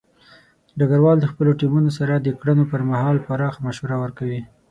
ډګروال د خپلو ټیمونو سره د کړنو پر مهال پراخه مشوره ورکوي.